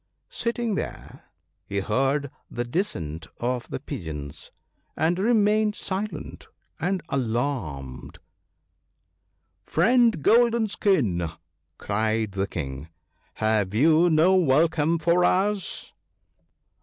Sitting there he heard the descent of the pigeons, and remained silent and alarmed. \ 28 THE BOOK OF GOOD COUNSELS. ' Friend Golden skin/ cried the King, ' have you no welcome for us